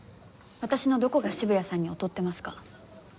私のどこが渋谷さんに劣ってますか？